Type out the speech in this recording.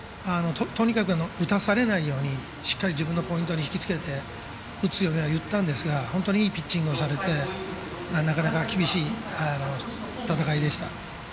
とにかく打たされないようにしっかり自分のポイントに引きつけて打つように言ったんですが、本当にいいピッチングをされてなかなか厳しい戦いでした。